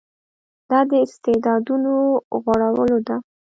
دا د استعدادونو غوړولو ده.